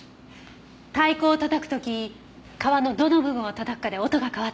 太鼓を叩く時皮のどの部分を叩くかで音が変わってくる。